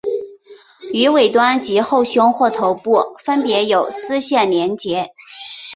于尾端及后胸或头部分别有丝线连结。